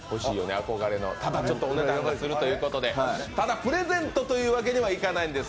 ただちょっとお値段がするということでただでプレゼントというわけにはいかないんです。